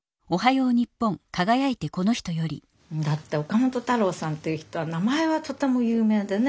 だって岡本太郎さんっていう人は名前はとても有名でね。